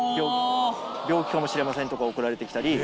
病気かもしれませんとか送られて来たり。